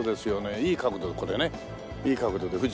いい角度でここでねいい角度で富士山が。